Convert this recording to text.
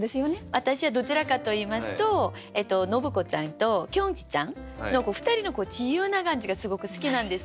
私はどちらかと言いますと信子ちゃんときょんちぃちゃんの２人の自由な感じがすごく好きなんですよね。